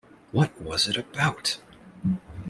What was it about?